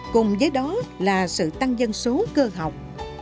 cùng với đó là sự tăng dân số cơ học